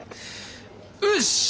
よし！